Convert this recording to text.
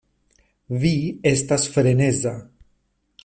Vi estas freneza!